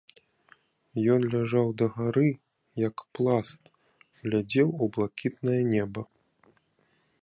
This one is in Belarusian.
Ён ляжаў дагары, як пласт, глядзеў у блакітнае неба.